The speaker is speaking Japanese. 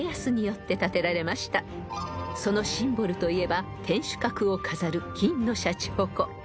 ［そのシンボルといえば天守閣を飾る金のしゃちほこ］